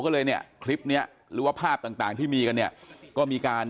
ก็เลยเนี่ยคลิปเนี้ยหรือว่าภาพต่างที่มีกันเนี่ยก็มีการ